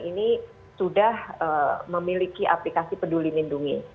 ini sudah memiliki aplikasi peduli lindungi